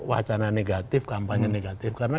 wacana negatif kampanye negatif karena